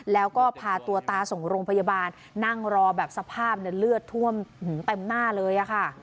แล้วก็พาตัวตาส่งโรงพยาบาลนั่งรอแบบสภาพเลือดท่วมเต็มหน้าเลยค่ะ